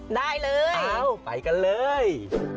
ได้เลยไปกันเลยเอาไปกันเลย